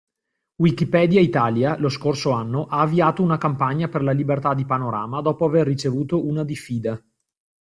Wikipedia Italia, lo scorso anno, ha avviato una campagna per la Libertà di Panorama dopo aver ricevuto una diffida.